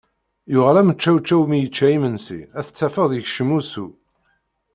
Yuɣal am ucewcew mi yečča imensi a t-tafeḍ yekcem usu.